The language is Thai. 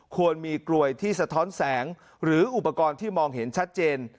ควรมีกลวยที่สะท้อนแสงหรืออุปกรณ์ที่มองเห็นชัดเจน